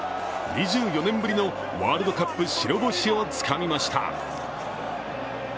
２４年ぶりのワールドカップ白星をつかみました。